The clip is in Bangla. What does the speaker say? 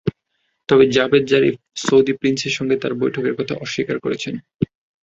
তবে জাভেদ জারিফ সৌদি প্রিন্সের সঙ্গে তাঁর বৈঠকের কথা অস্বীকার করেছেন।